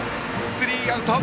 スリーアウト！